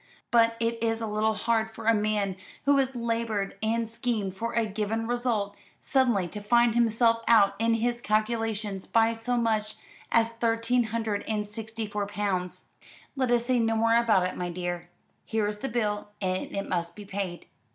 But it is a little hard for a man who has laboured and schemed for a given result, suddenly to find himself out in his calculations by so much as thirteen hundred and sixty four pounds. Let us say no more about it, my dear. Here is the bill, and it must be paid.